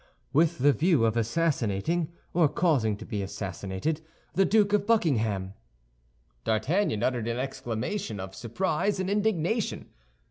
"With the view of assassinating, or causing to be assassinated, the Duke of Buckingham." D'Artagnan uttered an exclamation of surprise and indignation.